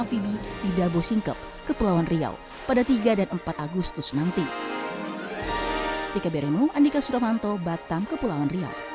tb di dabo singkep kepulauan riau pada tiga dan empat agustus nanti dikabirmu andika suramanto batam kepulauan